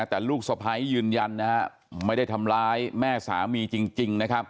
แต่ลูกสะพ้ยึนยันไม่ได้ทำร้ายแม่สามีจริง